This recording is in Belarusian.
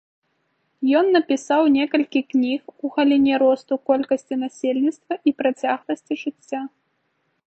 Ён напісаў некалькі кніг у галіне росту колькасці насельніцтва і працягласці жыцця.